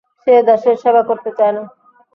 সে দেশের সেবা করতে চায় না।